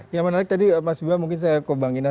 yang menarik tadi mas biba mungkin saya kebangin